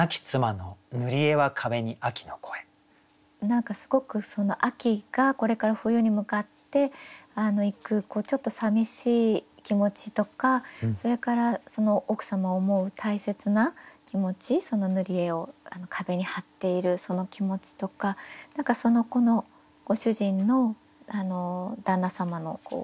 何かすごく秋がこれから冬に向かっていくちょっとさみしい気持ちとかそれから奥様を思う大切な気持ちぬり絵を壁に貼っているその気持ちとか何かこのご主人の旦那様の